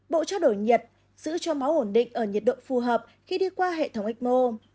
bộ trao đổi nhiệt giữ cho máu ổn định ở nhiệt độ phù hợp khi đi qua hệ thống ecmo